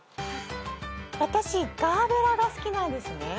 私ガーベラが好きなんですね。